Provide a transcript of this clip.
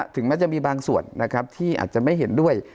ถึงแม้จะมีบางส่วนที่อาจจะไม่เห็นด้วย